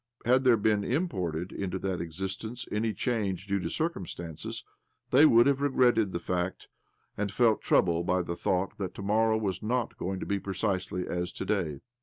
Had there been imported into that existence any change due to circumstances, they would have regretted the fact, and felt troubled by the thought that to morrow was not going to be precisely as to day.